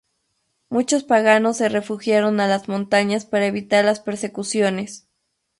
Muchos paganos se refugiaron a las montañas para evitar las persecuciones.